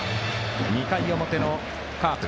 ２回表のカープ。